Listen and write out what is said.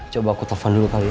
coba aku telepon dulu kali ya